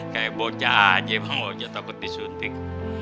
kayak bocah aja bang ojo takut disuntik